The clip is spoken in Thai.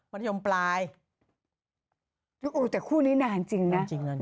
มัธยมปลายแต่คู่นี้นานจริงน่ะนานจริงน่ะ